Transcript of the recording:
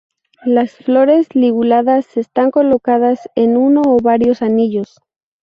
Las flores liguladas están colocadas en uno o varios anillos.